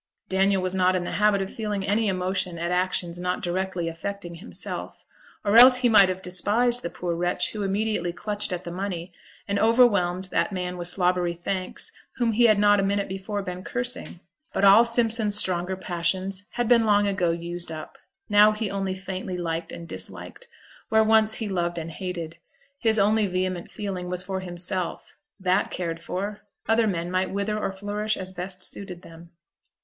Daniel was not in the habit of feeling any emotion at actions not directly affecting himself; or else he might have despised the poor wretch who immediately clutched at the money, and overwhelmed that man with slobbery thanks whom he had not a minute before been cursing. But all Simpson's stronger passions had been long ago used up; now he only faintly liked and disliked, where once he loved and hated; his only vehement feeling was for himself; that cared for, other men might wither or flourish as best suited them.